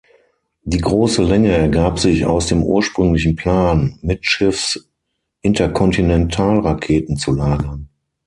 Die große Länge ergab sich aus dem ursprünglichen Plan, mittschiffs Interkontinentalraketen zu lagern.